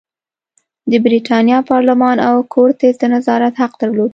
د برېتانیا پارلمان او کورتس د نظارت حق درلود.